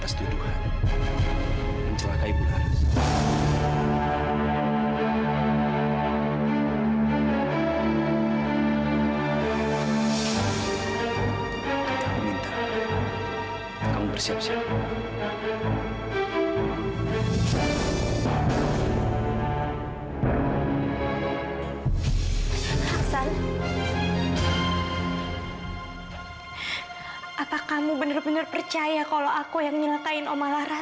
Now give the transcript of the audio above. sampai jumpa di video selanjutnya